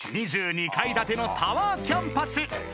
［２２階建てのタワーキャンパス］